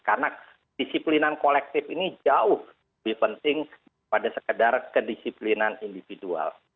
karena disiplinan kolektif ini jauh lebih penting daripada sekadar kedisiplinan individual